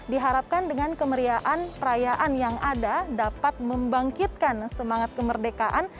diharapkan dengan kemeriaan perayaan yang ada dapat membangkitkan semangat kemerdekaan